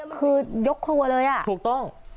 คือยกครัวเลยอ่ะถูกต้อง